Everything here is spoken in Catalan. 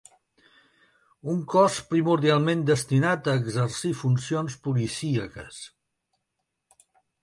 Un cos primordialment destinat a exercir funcions policíaques